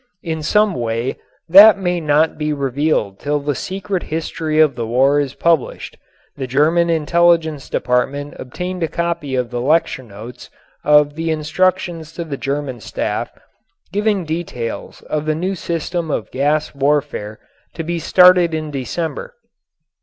In some way that may not be revealed till the secret history of the war is published, the British Intelligence Department obtained a copy of the lecture notes of the instructions to the German staff giving details of the new system of gas warfare to be started in December.